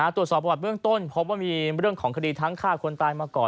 ตรวจสอบประวัติเบื้องต้นพบว่ามีเรื่องของคดีทั้งฆ่าคนตายมาก่อน